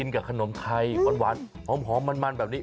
กับขนมไทยหวานหอมมันแบบนี้